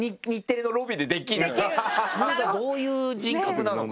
それがどういう人格なのか。